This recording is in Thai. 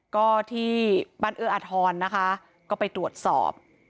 ก็ที่บ้านเอื้ออาทรนะคะก็ไปตรวจสอบ